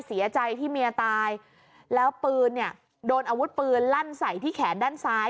เสียใจที่เมียตายแล้วปืนเนี่ยโดนอาวุธปืนลั่นใส่ที่แขนด้านซ้าย